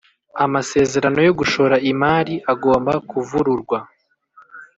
amasezerano yo gushora imari agomba kuvururwa